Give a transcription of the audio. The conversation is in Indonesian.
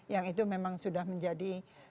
yang itu memang sudah menjadi